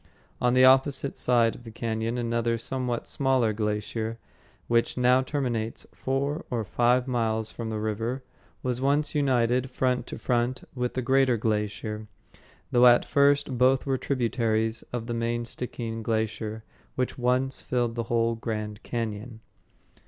On the opposite side of the cañon another somewhat smaller glacier, which now terminates four or five miles from the river, was once united front to front with the greater glacier, though at first both were tributaries of the main Stickeen Glacier which once filled the whole grand cañon.